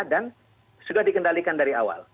sudah dikendalikan dari awal